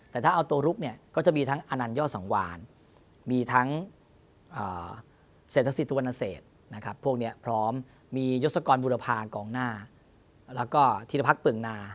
แต่ถ้าเอาตัวลุกก็จะมีทั้งอาณันย่อสังวานมีทั้งเซนทรัสสิทธุวรรณเศสพร้อมมียศกรบุรภากองหน้าแล้วก็ธีรพักษ์ปึ่งนา